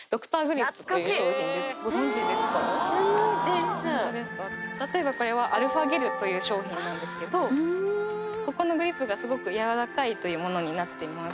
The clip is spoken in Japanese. ホントですか例えばこれはアルファゲルという商品なんですけどここのグリップがスゴく柔らかいというものになっています